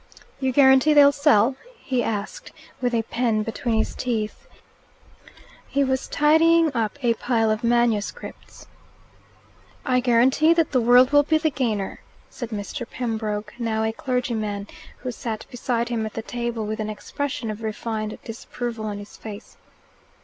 "You guarantee they'll sell?" he asked, with a pen between his teeth. He was tidying up a pile of manuscripts. "I guarantee that the world will be the gainer," said Mr. Pembroke, now a clergyman, who sat beside him at the table with an expression of refined disapproval on his face.